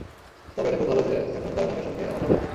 তবে এটা খুব ভালো যে, এখন তাঁর নামের সঙ্গে আমার নামও আসবে।